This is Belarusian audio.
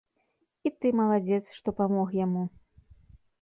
І ты маладзец, што памог яму.